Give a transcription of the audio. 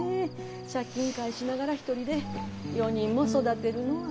借金返しながら一人で４人も育てるのは。